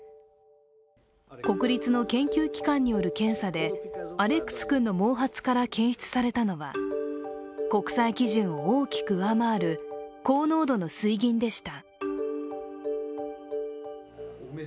国立の研究機関による検査でアレックス君の毛髪から検出されたのは国際基準を大きく上回る高濃度の水銀でした。